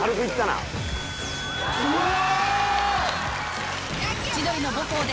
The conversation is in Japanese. うわ！